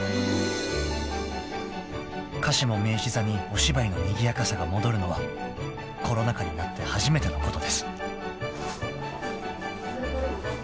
［かしも明治座にお芝居のにぎやかさが戻るのはコロナ禍になって初めてのことです］